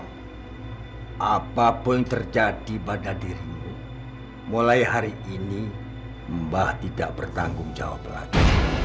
tahu apapun yang terjadi pada dirimu mulai hari ini mbak tidak bertanggung jawab lagi